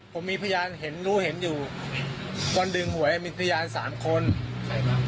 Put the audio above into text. ผมมีพยานเห็นรู้เห็นอยู่วันดึงหวยมีพยานสามคนอะไรครับ